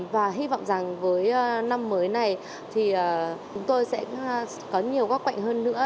và hy vọng rằng với năm mới này thì chúng tôi sẽ có nhiều góc quạnh hơn nữa